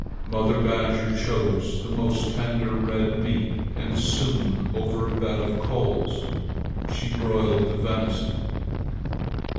Mother badger chose the most tender red meat, and soon over a bed of coals she broiled the venison.